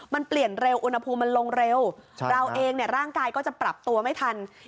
มันเปลี่ยนเร็วอุณหภูมิมันลงเร็วเราเองร่างกายก็จะปรับตัวไม่ทัน